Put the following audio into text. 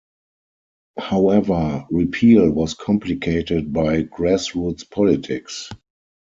However, repeal was complicated by grassroots politics.